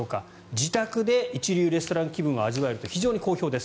自宅で一流レストラン気分を味わえると非常に好評です。